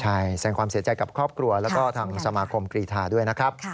ใช่แสงความเสียใจกับครอบครัวแล้วก็ทางสมาคมกรีธาด้วยนะครับ